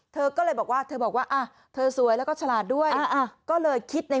เธอก็เลยบอกว่าเธอบอกว่าอ่ะเธอสวยแล้วก็ฉลาดด้วยก็เลยคิดใน